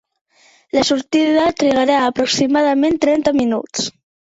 La sortida trigarà aproximadament trenta minuts.